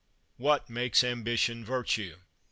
What makes ambition virtue?